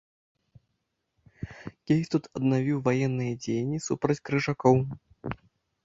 Кейстут аднавіў ваенныя дзеянні супраць крыжакоў.